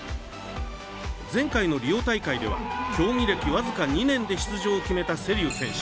前回のリオ大会では競技歴僅か２年で出場を決めた瀬立選手。